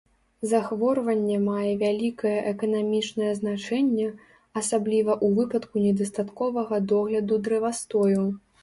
Захворванне мае вялікае эканамічнае значэнне, асабліва ў выпадку недастатковага догляду дрэвастою.